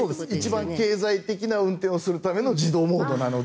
一番経済的な運転をするための自動モードなので。